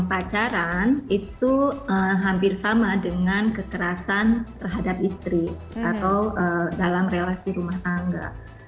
pacaran itu hampir sama dengan kekerasan terhadap istri atau dalam relasi rumah tangga